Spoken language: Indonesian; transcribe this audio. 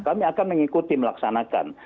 kami akan mengikuti melaksanakan